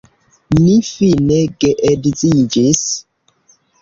Ni fine geedziĝis.